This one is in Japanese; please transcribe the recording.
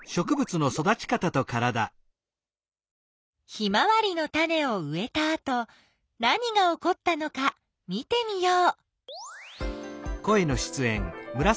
ヒマワリのタネをうえたあと何がおこったのか見てみよう。